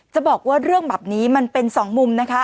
จะบอกว่าเรื่องแบบนี้มันเป็นสองมุมนะคะ